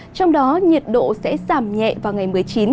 trong đó nhiệt độ sẽ giảm nhẹ vào ngày một mươi chín